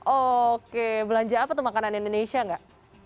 oke belanja apa tuh makanan indonesia nggak